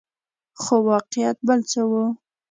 خو واقعیت بل څه وو.